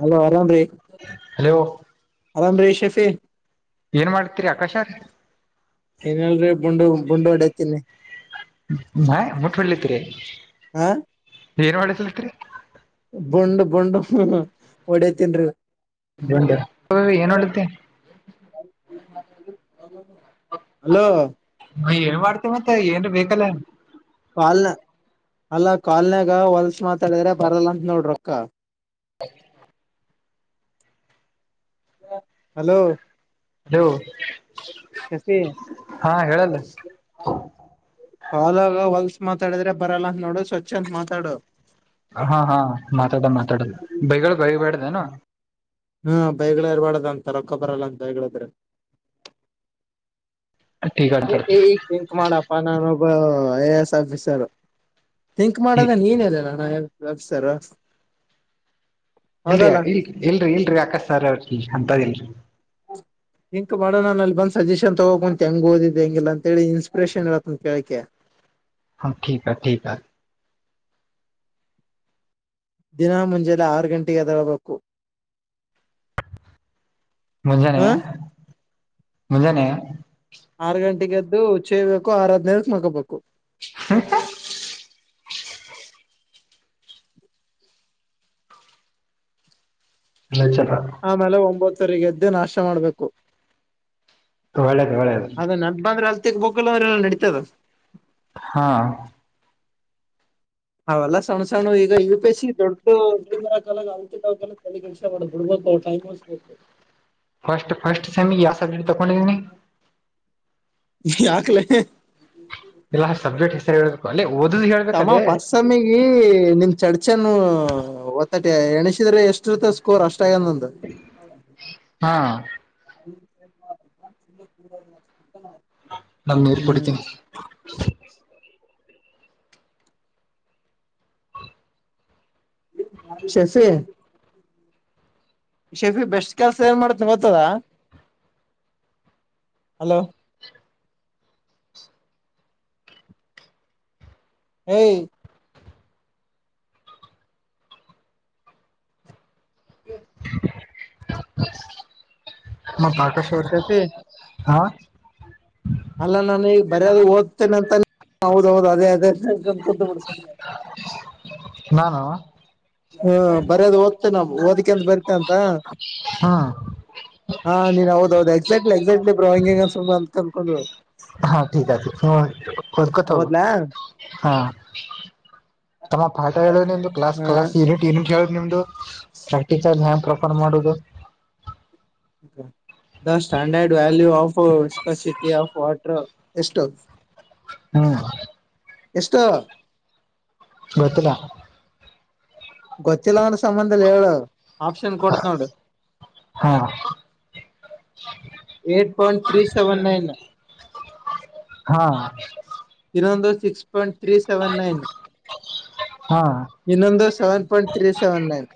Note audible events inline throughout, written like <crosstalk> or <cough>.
Hello ಅರಾಮ ರ್ hello ಅರಾಮ ರಷ್ ಶಫೆ ಏನ್ ಮಾಡ್ತಿರಿ ಆಕಾಶ್ರ ಏನಲ್ರರಿ ಬುಂಡು ಬುಂಡು ಹೊಡತೀನಿ ಹ ಮುಟ್ ಹೊಲತ್ರಿ ಹಾ ಏನ್ ಮಾಡಸಲತ್ರಿ ಬಂಡ್ ಬಂಡ್ ಒಡತನ್ರಿ ಏನ್ಡುತ್ತೆ ಹಲೋ ಏನ್ ಮಾಡ್ತೇವ ಮತ್ತ ಏನ್ ಬೇಕಲ್ಲ ಕಾಲ್ನ ಅಲ್ಲ ಕಾಲ್ನಾಗ ಹೊಲ್ಸ್ ಮಾತಾಡಿದ್ರೆ ಬರಲ್ಲ ಅಂತ ನೋಡ್ ರೊಕ್ಕ ಹಯ ಹಲೋ ಹೋ ಶಫಿ ಹಾ ಹೇಳಲ್ಲ ಹಲ್ಾಗ ಹೊಲ್ಸ ಮಾತಾಡಿದ್ರೆ ಬರಲ್ಲ ಅಂತ ನೋಡು ಸ್ವಚ್ ಅಂತ ಮಾತಾಡು ಹಾ ಹಾ ಮಾತಾಡ್ದ ಮಾತಾಡದ ಬೈಗಳು ಬೈಬೇಡ್ದನ ಹ್ಮ ಬೈಗಳ ಇರ್ಬಾಡದ ಅಂತ ರೊಕ್ಕೊ ಬರಲ್ಲ ಅಂತ ಬಯಗಳಾದ್ರೆ ಟೀಗ ಎ ಅಂತಡ್ತಿ ಈ ಿಂಕ್ ಮಾಡಾನ ಅನುಭ ಸ ವಿಿಸಾರ ತಿಥಿಂಕ್ ಮಾಡೋದನ್ನ ಏನ್ಲ್ಲ ನಾನತಾರ ಇಲ್ರಿ ಇ ಇಲ್ರರಿ ಇಲ್ರಿ ಅಕಾರ್ ಅವ್ರ ಅಂತದಲ್ರಿ ಹ ಇಂ ಮಾಡೋಣ ನನ್ ಅಲ್ಲಿ ಬಂದ್ ಸಜೆಷನ್ ತಗೋಕಂತ ಹೆಂಗ ಓದಿದ್ದ್ ಹೆಂಗಿಲ್ಲ ಅಂತೇಳ ಇನ್ಪಿರೇಷನ್ ಇ ಹೇಳತ್ತಂತ ಕೇಳಕ್ಕೆ ಹ ೀಕ ಆ ದಿನ ಮುಂಜಾಲೆ ಆರು ಗಂಟೆಗೆ ತರಬೇಕು ಮುಂಜಾನೆ ಮುಂಜಾನೆ ಆರ್ ಗಂಟೆಗೆ ಎದ್ದು ಚೇಯ್ಬೇಕು ಆರದ್ನೆೇ ಮಕೋಬೇಕು ಒಳ್ಳೇದು ಆಮೇಲೆ ಒಂಬತ್ತರಿಗೆ ಎದ್ದು ನಾಶ ಮಾಡ್ಬೇಕು ಒಳ್ಳೇದು ಒಳ್ಳೇದು ಬಲ್ಲರ ಅಡತ ಹಾ ಅವಲ್ಲ ಸಣ್ ಸಣ ಈಗ ಯು ಪಿ ಎಸ್ ಸಿ ದೊಡ್ಡರಾಲ ತೆಗ ವಿಷ ಬಿಡ್ಬೋ ಪಾಯ ಸ್ ಫಸ್ಟ್ ಫಸ್ಟ್ ಸಮ ಸೆಕ್ಟ್ ತ ಕೊನ ಯಾಕ್ಲೆ ಎಲ್ಲ ಸಬ್ಜೆಕ್ಟ್ ಹೆಸರಿಬೇಕು ಅಲ್ಲಿ ತಮ್ಮ ಪಸ್ಸಮಿಗೆ ನಿಮ್ ಚಡ್ಚನ್ ಒತ್ತಟ ಎಣಸಿದ್ರೆ ಎಷ್ಟು ಇರ್ತ ಸ್ಕೋರ್ ಅಷ್ಟ <inaudible> ಹಾ <inaudible> ನಮ ನೀರ್ ಹ್ಮ್ ಕುಡಿತೀನಿ ಶೆಸೆ ಹ ಶೆಫಿ ಬೆಸ್ಟ್ ಕೆಲ್ಸ ಏನ್ ಮಾಡ್ತನ ಗತ್ತದ ಹಲೋ <inaudible> ಮ ಬಾಕಶವರ ಶಫಿ ಹಾ ಅಲ್ಲಾ ನಾನು ಈಗ ಬರ್ಯಾದ ಓದ್ತೇನೆ ಅಂತ ಹೌದೌದ ಅದೇ ಅದೇ ಕುತ್ತಮಡ ನಾನಾ ಹ್ಮ ಬರದು್ ಹದ್ತೇ ನಾವು ಓದಿಕೆ ಅಂತ ಬರಿ ಅ ಹ್ಮ್ ಹ ನೀನ್ ಹೌದೌದು ಎಕ್ಸಾಕ್ಟ್ಲಿ ಎಕ್ಸಾಕ್ಟ್ ಬ್ರೋಹಿಂಗ ಅಂತ ಅಂದಕೊಂಡ ಹಾ ಿಕ ಅ ಹ ಹರ್ಕತ್ ಹೋಗ ಹೌದ್ಲಾ ಹಾ ತಮ್ಮ ಪಾಠ ಹೇಳೋಂದು ಕ್ಲಸ್ ಹಾ ಕ್ಲಸ್ ನಿಟ್ ನಟ್ ಹೇಳ ನಿಮ್ದು ಪ್ರಾಕ್ಟಿಸ ಪ್ರಕ ಮಾಡುದು ಹ the standard value ಆಫ್ಕ city of water ಎಸ್ಟೋನ್ ಹ್ಮ್ ಎಷ್ಟ ಗೊತ್ತಿಲ್ಲ ಗೊತ್ತಿಲ್ಲನ್ ಸಂಬಂಧದಲ್ಲಿ ಹೇಳ ಆಪ್ಷನ್ ಕೊಡ್ತ ನೋಡು ಹಾ eight point three seven nine ಹಾ ಇನ್ನೊಂದು ಸಿಕ್ಸ್ ಪಾಯಿಂಟ್ ೀ ಸೆವೆನ್ ನೈನ್ ಹಾ ಇನ್ನೊಂದು seven point three seven nine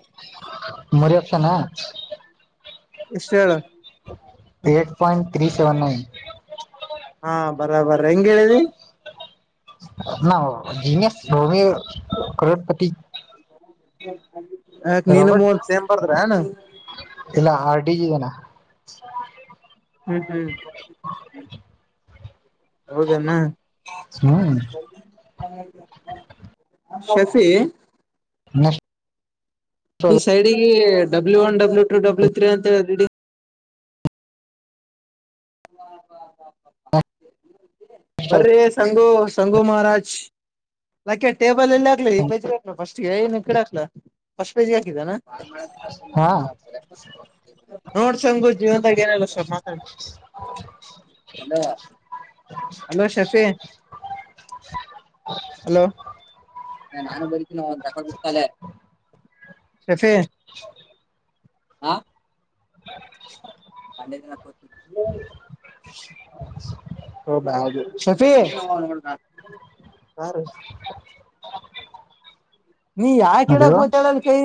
ಮರಿತಾನ ಇಷ್ಟ ಹೇಳಳ eight point three seven nine ಹಾ ಬರಾಬರ ಹೆಂಗ ಹೇಳಿದಿ ನಾ ಜಸ್ ಭೂಮಿ ಕೋಡಪತಿ ನೀನು ರಾಬರ್ಟ್ ಮೋಹನ್ ಸೇಮ ಬರ್ದ್ರ ಹ ಹ್ಮ್ ಹ್ಮ್ ಹೌದಣ ಹ್ಮ್ ಶೆಫಿ ಹ್ಮ ಈ ಸೈಡಿಗೆ W one W two W three ಅಂತ ಹೇಳಿಡಿ ಹಾಾ ಬರ್ರಿ ಸಂಗೋ ಸಂಗೋ ಮಹಾರಾಜ್ ನಾಕೆ ಟೇಬಲ್ ಎಲ್ಲಿ ಆಗ್ಕ್ಾ ಈ ಪೇಜಿ ಹಕ್ಾ ಸ್ ಏನ್ ಕಡೆ ಹಕ್ಲಾ ಫಸ್ಟ್ ಪೇಜಿ ಹಾ <inaudible> ಹಾ ನೋಡ್ ಸಂಂಗು ಜೀವಂತಾಗ ಏನಲ್ಲ ಮಾತಾಡ ಅ ಹಲೋ ಶಫೆ ಹಲೋ ನಾನು ಬರತೀನೋ ಹತಳೆ ಶಫಿ <inaudible> ಹಾ ಹ ಪಂಡೆತ ಹ ಬ ಶತಿ ಸಾರ <inaudible> ನೀ ಯಾ ಹಲೋ ಕಿಡಕ್ ಗೊತ್ತ ಹೇಳಲ್ ಕೈ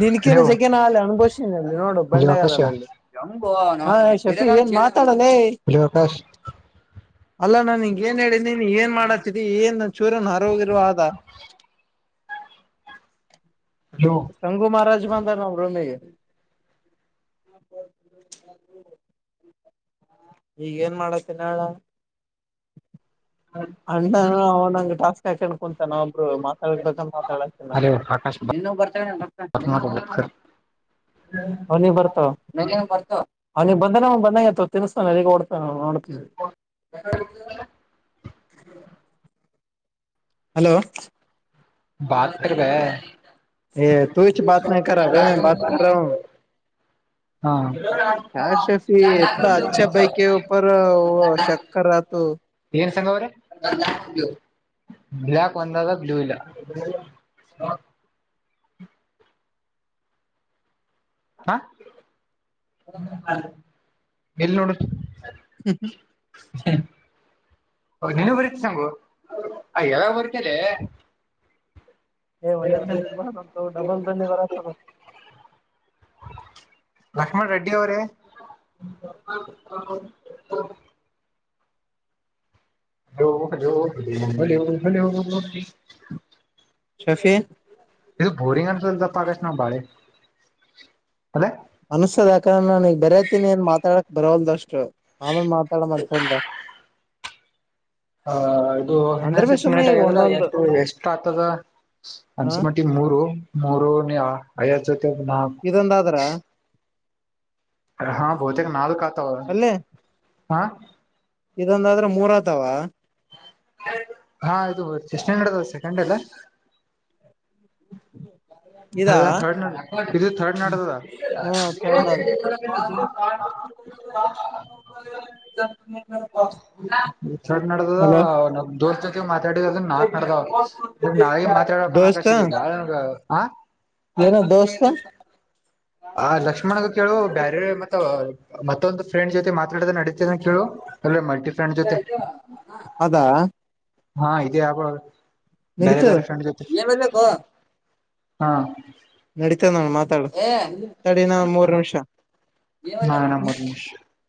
ನಿನಕಿನ ಹಲೋ ಜಗನಾಲ ಅನುಭವ್ಿನಿಲ್ಲಿ ನೋಡು ಬಂಡಗ ಆಕಾಶ ಅದಲ್ಲಲ್ಲಿ ನ್ ಕಶ ಅಲ್ಲಾ ನಾನನ್ ಈಗಏನ್ ಹೇಳಿದಿನಿ ನೀ ಏನ್ ಮಾಡತ್ತಿದಿ ಏನ್ ಚೂರನ್ ಹರೋಗಿರುವ ಅ ಹಲೋ ಸಂಗು ಮಹಾರಾಜ್ ಬಂದ ನಮಗೆ <inaudible> ಈಗನ್ ಮಳತಿನ ಆಳಾ ಅಣ್ಣ ಅವನಂಗ ಟಾಸ್ಕ್ ಹಾಕೊಂಡ್ ಕುಂತ ನಾವ ಒಬ್ರು ಮಾತಾಡಬೇಕ ಮಾತಾಡತಂಗ ಹಲೋ ಆಕಾಶ್ ಇನ್ನೂ ಬರ್ತನೆ ಮತ ಹಿ ಬರ್ತ ಬರ್ ಹಿ ಬರ್ ಅಂದ ನ ಬಂದಂಗ ಅವಾ ತಿನ್ಸ್ತಾನ ಓಡ್ತಾನ ನೋಡ್ತ ಹ ಹಲೋ ಬತ ಹ ಬ ಹ ತುಚ ಬತ ನ ಕಾ ಭೈ ಮ ಬತ ಹ ಹಾ ಚಾರ್ ಶಫ ಎಾ ಅಚ್ಚೆ ಬೈಕ ಯ ಪರ ಶಕ ಆತ ಹ ನು ಸಂಘ ಅವರ ಬ್ಲಾಕ್ ಒಂದಾದಾ ಬ್ಲೂ ಇಲ್ಲ ಹಾ ಎಲ್ಲಿ ನೋಡ ಹ್ಮ್ ಹ್ಮ್ ನೀನು ಬರ್ತ ಸಂಗು ಯಾವಾಗ ಬರ್ತದೆ ಏ ಒಂದಸ ನಿರ್ಮಾಣಂತ ಡಬಲ್ ವರತ ಲಕ್ಷ್ಮಣ ರೆಡ್ಡಿ ಅವರೇ ಹ ಹಲೋ ಹಲೋ ಹಲ ಹಲ ಹಲ ಶಫಿ ಬೋರಿಂಗ ಸ ಪಾಗಷ್ಟ ನ ಬಾಳೆ ಅದ ಅನ್ಸದ ಯಾಕಂದ ನು ಈಗ ಬೇರಯತಿನಿ ಏನ್ ಮಾತಾಡಕ್ ಬರವಲ್ದಷ್ಟು ಆಮೇನ್ ಮಾತಾಡ ಮಕೊಂಡ್ ಬಾ ಹ ಇದು ಇನ್ನ ಸಿಕ್ಸ್ ಮಿನಿಟ್ ಆಗ್ಯದಲ್ಲ ಒಂದೊಂದು ಎಷ್ಟು ಎಷ್ಟ್ ಆತದ ಹ ಅಂಚೆ ಮಾಟಿಗ್ ಮುರು ಮುರು ಐವಾತ್ ಜೊತೆ ನಾ ಇದೊಂದಾದ್ರ ಹಾ ಬಹತೇಕ ನಾಲ್ ಕಾತವ ಹಾಂ ಇದೊಂದಾದ್ರೆ ಮೂರ್ ಐತವಾ. ಹಾ ಹೌದು ಚಷ್ಟಂಗಡದ ಸೆಕಂಡ್ ಅಲ್ಲ <unintelligible> ಇದಾ ಥರ್ಡ್ ನೋಡ್ರಿ ಇದು ಥರ್ಡ್ ನಾಡ್ತಾದ ಹ್ಮ <inaudible> ಚಡ್ ನಡ್ದ ಹಲೋ ನ ದೋಸ್ ಜೊತೆ ಮಾತಾಡಿದ್ರ ನಾಕ್ ನಡ್ದವ್ ನಾಳಿಗಿ ಮಾತಾಡ್ <unintelligible> ಿದವು ಬಾಳ ಹ ಮರ ದೋಸ್ತ ಆ ಲಕ್ಷ್ಮಣಗ ಕೇಳುವ ಬ್ಯಾರೆ ಮ ಮತ್ತೊಂದು ಫ್ರೆಂಡ್ ಜೊತೆ ಮಾ ನಾಡ್ರೆ ನಡೀತಾನೋ ಕೇಳು ಒಳ್ಳೆ ಮಲ್ಟಿ ಫ್ರೆಂಡ್ ಜೊತೆ ಅದಾ ಹಾ ಇಡಿಯ ಬ್ರೊ ಬೇರೆ ನಡೀತದ ಬೇರೆ ಫ್ರೆಂಡ್ ಜೊತೆ ಹಾ ನಡಿತನ್ ಅವ್ನು ಮಾತಾಡು ತಡಿನ ಮೂರ್ ನಿಮಿಷ. ಹಾ <unintelligible>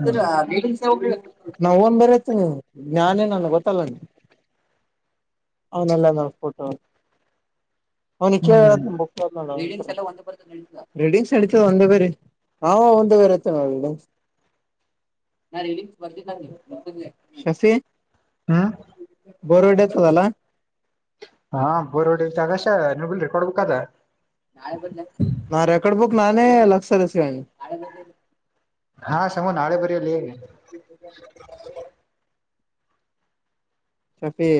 ಹ್ಮ್ ನವಂದ ಬರತ್ ನೀ <unintelligible> ನನ್ ಗೊತ್ತಲ್ಲ ನೀ ಅವನಲ್ಲ ನೋಡ್ಕಟ ಅವನಿ ಕೇಳ ಹ್ಮ್ ಹೇಳ್ತೀನಿ ಬುಕ್ ಮಾಡ್ಬಿಟು ರೀಡಿಂಗ್ಸ್ ನಡಿತದೆ ಒಂದೇ ಬೇರೆ ಹ ಒಂದೇ ಬೇರೆ ಐತ ರೀಡಿಂಗ್ ಶಸಿ ಹ್ಮ ಬೋರ್ವಿಡೆ ಆತದಲ್ಲ ಹಾ ಬೋರ್ಡಿ ಆಗಷ್ಟ ನಿಮಲ್ಲಿ ರೆಕಾರ್ಡ್ ಬೂಕದ ನಾ ರೆಕಾರ್ಡ್ ಬುಕ್ ನಾನೇ ಲಕ್ಷಸ ಇಸ್ಕಾದಿನಿ ಹಾ ಸಮೋ ನಾಳೆ ಬರಲ್ಲೇ ಶಫೀ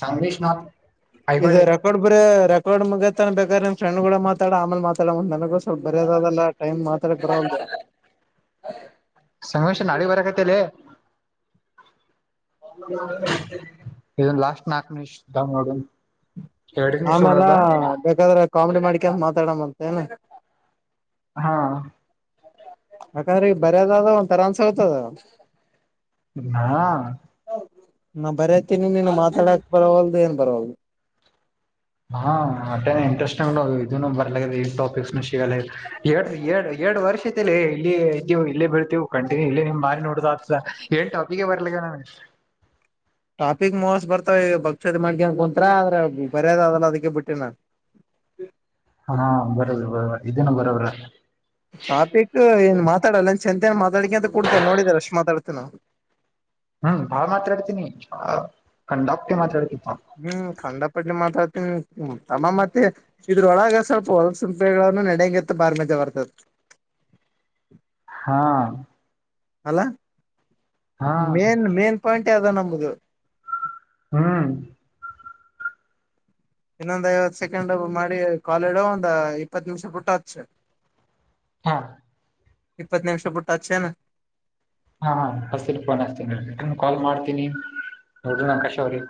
ಸಂಗಲಿಶ್ ನಾಥ್ ಇದು ಐಹೊಳೆ ರೆಕಾರ್ಡ್ ಬರೀ ರೆಕಾರ್ಡ್ ಮುಗತ ಬೇಕಾದ್ರ ನಿನ್ ಫ್ರಂಡ್ ಕೂಡ ಮಾತಾಡ ಆಮೇಲೆ ಮಾತಾಡ್ ನಂಗೊಸ್ ಸ್ವಲ್ಪ ಬರಿಯಾಕಾಗಲ್ಲ ಟೈಮ್ ಮಾತ್ರ ಬರವಲ್ದು ಸಂಗಮೇಶ ನಾಳೆ ಬರಕತ್ತಲೆ ಇದ್ನ ಲಸ್ಟ್ ನಾಕ <unintelligible> ಆಮೇಾಲ ಬೇಕಾದ್ರೆ ಕಾಮಿಡಿ ಮಾಡಿಕ ಮಾತಾಡ್ಂತೆ ಏನು ಹಾ ಯಾಕಂದ್ರೆ ಈಗ ಬರ್ಯದ ಒಂತರ <unintelligible> ಹಾ ನಾ ಬರೆತೀನಿ ನೀನು ಮಾತಾಡಕ್ ಬರವಲ್ದು ಏನ್ ಬರವಲ್ದು ಹಾಂ ಹಾಂ ಅಟ್ಟೆ ಇಂಟ್ರೆಸ್ಟ್ದು ಇದನ್ನು ಬರ್ಲ ಟಾಪಿಕ್ಸ್ <unintelligible> ಎರಡು ವರ್ಷ ಆಯ್ತುಲೆ ಇಲ್ಲಿ ಇದ್ವಿ ಇಲ್ಲೇ ಬೆಳ್ದಿ ಕಂಟಿನ್ಯೂ ಇಲ್ಲಿ ನಿಮ್ ಮಾರಿ ನೋಡುದ ಏನ್ ಟಾಪಿಗೆ ಬರ್ಲಿ ಗನ ಟಾಪಿಕ್ ಮೋಸ್ ಬರ್ತಾವ ಭಕ್ಷ್ಯದ ಮ್ಗಿ ಅನ್ಕ ಕುಂತತ್ರ ಆದ್ರೆ ಬರ್ಯದ್ ಅದಲ್ಲ ಅದಕ್ಕೆ ಬಿಟ್ಟೇಿನ ಹಾ ಬರೋದ್ ಬರೋ ಇದನ ಬರೋದ್ರ ಟಾಪಿಕ್ ಏನ್ ಮಾತಾಡಲ್ಲ ಅನ್ಸ್ ಚಂತನ್ ಮಾತಾಡಿಕ ಕೂಡ್ತಾನೆ ನೋಡಿದಿರ ಎಷ್ಟ್ ಮಾತಾಡ್ತಾನೆ ಅವ್ನು ಹ್ಮ್ ಬಾಳ ಮಾತಾಡ್ತೀನಿ ಕಂಡಪ್ ಹ್ಮ್ ಖಂದ ಪಾಡ್ಲೆ ಮಾತಾಡ್ತಿ ನಿ ಹ್ಮ್ ಅಮ್ಮ ಮತ್ತೆ ಇದ್ರೊಳಗ ಸ್ವಲ್ಪ ಹೊಲಸಿಂಪೆನು ನಡೆಯಂಗಗೆತ್ತ ಬಾರ ಮಜ ಬರ್ತದ ಹಾಂ ಅಲ್ಲ ಮೇನ್ ಮೇನ್ ಪಾಯಿಂಟ್ ಯಾವ್ದ ನಮ್ದ ಹ್ಮ್ ಇನ್ನೊಂದ್ ಐವತ್ ಸೆಕೆಂಡ್ ಮಾಡಿ ಕಾಲ ಇಡೋ ಒಂದ ಇಪ್ಪತ್ ನಿಮಿಷ ಬಿುಟ್ಟಚ್ಚ. ಹಾ ಇಪ್ಪತ್ತು ನಿಮಿಷ ಬುಟ್ಟು ಹಚ್ಚೇನು ಹಾ ಹಾ <unintelligible> ಫೋನ್ ಹಚ್ಚೇತೀನಿ ರಿಟರ್ನ್ ಕಾಲ್ ಮಾಡ್ತೀನಿ ನೋಡ ನಂಕಶ ಅವ್ರಿ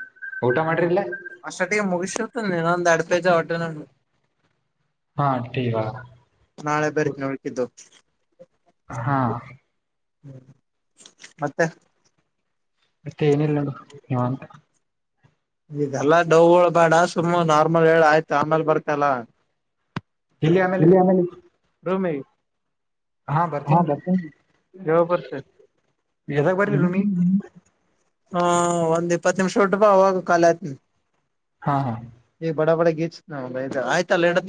ಊಟ ಹ್ಮ್ ಮಾಡ್ರಿಲ್ಲ ಅಾಟ ಮುಗ ಶತ ನಿನಂದ ಅಡಪ ಹೊಟ್ಟ ನ ಹಾ ಟೀ ಇವಾಗ. ನಾಳೆ ಬರ್ತೀ ಹಡ್ಕಿದ್ದು ಹಾ ಹ್ಮ ಮತ್ತೆ ಮತ್ತೆ ಏನಿಲ್ಲ ನ ನಿವಂತ ಇದೆಲ್ಲಾ ಡವಗಳು ಬೇಡ ಸುಮ್ಮ್ ನಾರ್ಮಲ್ ಹೇಳ ಆಯ್ತು ಆಮೇಲ್ ಬರ್ತಲ್ಲ ಇಲ್ಲಿ ಆಮೇಲೆ ೇ ರೂಮೇ ಹಾ ಬ ಕವ ಪತ ಯದಾಗ ಬರಿ ರೂಮಿ ಹಾ ಒಂದ್ ಇಪ್ಪತ್ತು ನಿಮಿಷ ಒಟ್ಟಪ ಅವಾಗ ಕಾಲ ಆತನ ಹಾ ಹಾ ಈ ಬಡ ಬಡ ಆಯ್ತ